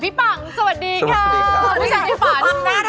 พี่ปังสวัสดีค่ะพี่ฝันสวัสดีค่ะ